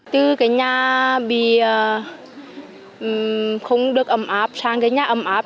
từ cái nhà bị không được ấm áp sang cái nhà ấm áp